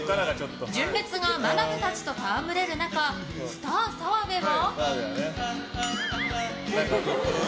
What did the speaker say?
純烈がマダムたちと戯れる中スター澤部は？